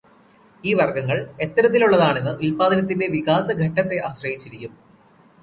ഈ വർഗങ്ങൾ എത്തരത്തിലുള്ളതാണെന്ന് ഉല്പാദനത്തിന്റെ വികാസഘട്ടത്തെ ആശ്രയിച്ചിരിക്കും.